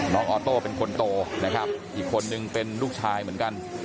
ออโต้เป็นคนโตนะครับอีกคนนึงเป็นลูกชายเหมือนกัน